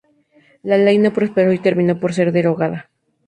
La ley no prosperó y terminó por ser derogada.